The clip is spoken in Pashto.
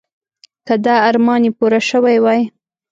که دا ارمان یې پوره شوی وای.